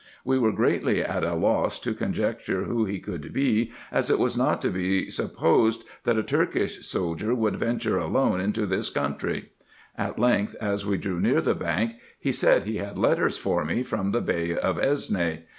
We were greatly at a loss to conjecture who he could be, as it was not to be supposed, that a Turkish soldier would venture alone into this country. At length, as we drew near the bank, he said he had letters for me from the Bey of Esne.